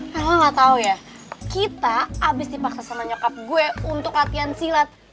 halo gak tau ya kita habis dipaksa sama nyokap gue untuk latihan silat